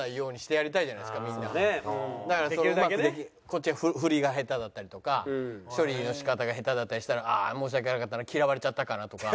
こっちが振りが下手だったりとか処理の仕方が下手だったりしたらああ申し訳なかったな嫌われちゃったかなとか。